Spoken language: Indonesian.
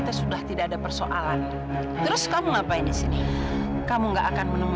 kamilah khawatir banget soal mama